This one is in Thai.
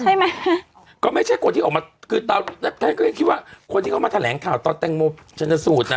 ใช่ไหมก็ไม่ใช่คนที่ออกมาคือตอนแรกท่านก็ยังคิดว่าคนที่เขามาแถลงข่าวตอนแตงโมชนสูตรน่ะ